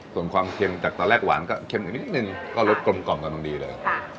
ส่วนความเค็มจากตอนแรกหวานก็เค็มอีกนิดนึงก็รสกลมกำลังดีเลย